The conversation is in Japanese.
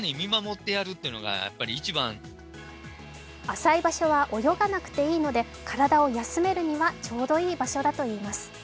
浅い場所は泳がなくていいので、体を休めるにはちょうどいい場所だといいます。